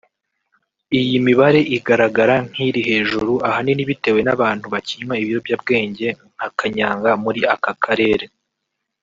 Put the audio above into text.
Iyi mibare igaragara nk’iri hejuru ahanini bitewe n’abantu bakinywa ibiyobyabwenge nka Kanyanga muri aka Karere